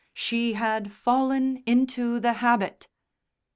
"She had fallen into the habit!"